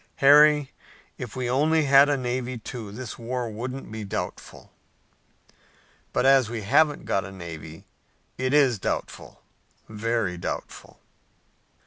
Harry, if we only had a navy, too, this war wouldn't be doubtful." "But, as we haven't got a navy, it is doubtful, very doubtful."